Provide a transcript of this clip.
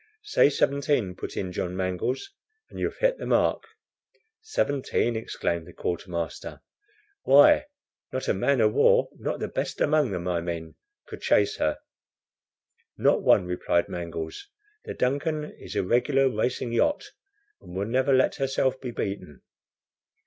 "Say seventeen," put in John Mangles, "and you've hit the mark." "Seventeen!" exclaimed the quartermaster. "Why, not a man of war not the best among them, I mean could chase her!" "Not one," replied Mangles. "The DUNCAN is a regular racing yacht, and would never let herself be beaten."